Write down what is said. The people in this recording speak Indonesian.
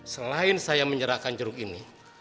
selain saya menyerahkan jeruk ini